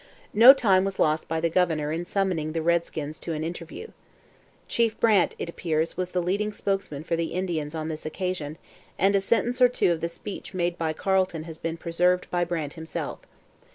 No time was lost by the governor in summoning the redskins to an interview. Chief Brant, it appears, was the leading spokesman for the Indians on this occasion, and a sentence or two of the speech made by Carleton has been preserved by Brant himself.